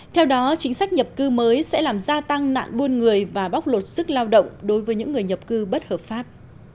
theo đó chính sách nhập cư mới sẽ làm gia tăng nạn buôn người và bóc lột sức lao động đối với những người nhập cư bất hợp pháp